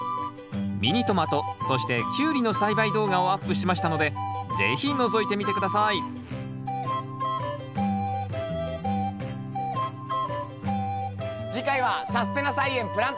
ミニトマトそしてキュウリの栽培動画をアップしましたので是非のぞいてみて下さい次回はナスです。